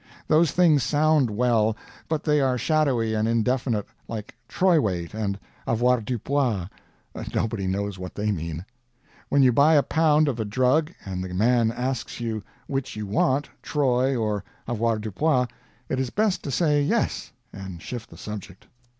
Those things sound well, but they are shadowy and indefinite, like troy weight and avoirdupois; nobody knows what they mean. When you buy a pound of a drug and the man asks you which you want, troy or avoirdupois, it is best to say "Yes," and shift the subject.